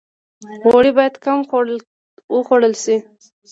غوړي باید کم وخوړل شي